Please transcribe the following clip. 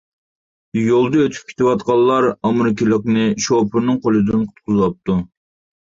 يولدا ئۆتۈپ كېتىۋاتقانلار ئامېرىكىلىقنى شوپۇرنىڭ قولىدىن قۇتقۇزۇۋاپتۇ.